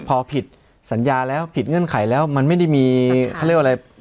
พอผิดสัญญาแล้วผิดเงื่อนไขแล้วมันไม่ได้มีเขาเรียกว่าอะไร